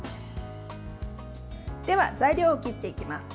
では、材料を切っていきます。